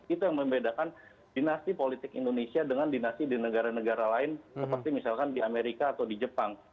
itu yang membedakan dinasti politik indonesia dengan dinasti di negara negara lain seperti misalkan di amerika atau di jepang